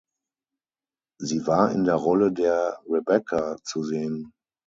Sie war in der Rolle der "Rebecca" zu sehen.